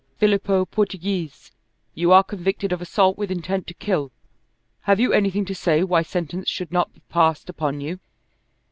"Filippo Portoghese, you are convicted of assault with intent to kill. Have you anything to say why sentence should not be passed upon you?"